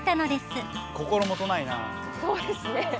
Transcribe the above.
そうですね。